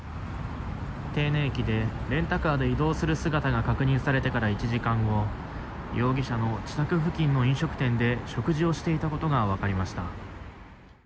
手稲駅でレンタカーで移動する姿が確認されてから１時間後容疑者の自宅付近の飲食店で食事をしていたことが分かりました。